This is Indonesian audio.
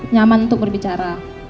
nyaman untuk berbicara